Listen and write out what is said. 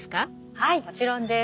はいもちろんです。